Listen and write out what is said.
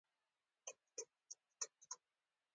د لرغونپوهنې شواهد ناتوفیان پېچلې ټولنه ښيي.